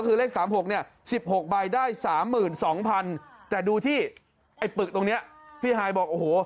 คือเลข๓๖เนี่ย๑๖ใบได้๓๒๐๐๐แต่ดูที่ไอ้ปึกตรงนี้พี่ฮายบอกโอ้โห